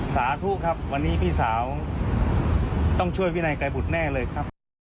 สาธุครับวันนี้พี่สาวต้องช่วยวินัยไกรบุตรแน่เลยครับ